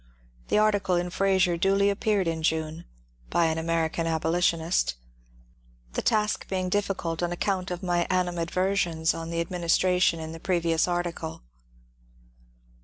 The article in " Fraser " duly appeared in June, —" By an American Abolitionist," — the task being difficult, on account of my animadversions on the administra tion in the previous article.